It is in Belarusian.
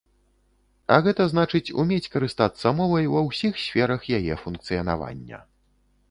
А гэта значыць, умець карыстацца мовай ва ўсіх сферах яе функцыянавання.